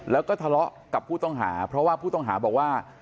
แล้วก็ทะเลาะกับผู้ต้องหาเพราะว่าผู้ต้องหาบอกว่า